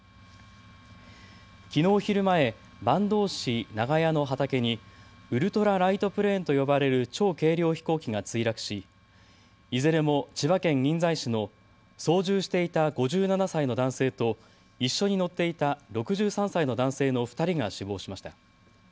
きのう昼前、坂東市長谷の畑にウルトラライトプレーンと呼ばれる超軽量飛行機が墜落しいずれも千葉県印西市の操縦していた５７歳の男性と一緒に乗っていた６３歳の男性の２人が死亡しました。